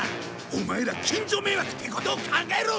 オマエら近所迷惑ってことを考えろ！